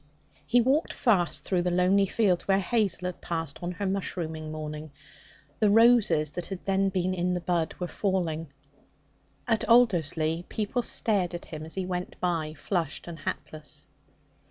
He walked fast through the lonely fields where Hazel had passed on her mushrooming morning. The roses that had then been in the bud were falling. At Alderslea people stared at him as he went by, flushed and hatless.